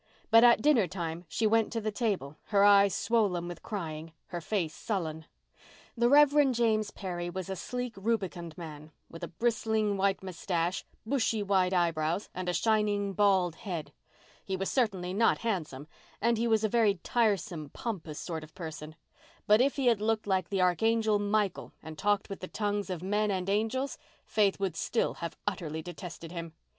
But at dinner time she went to the table, her eyes swollen with crying, her face sullen. The Rev. James Perry was a sleek, rubicund man, with a bristling white moustache, bushy white eyebrows, and a shining bald head. He was certainly not handsome and he was a very tiresome, pompous sort of person. But if he had looked like the Archangel Michael and talked with the tongues of men and angels Faith would still have utterly detested him.